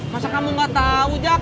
masa kamu nggak tahu jak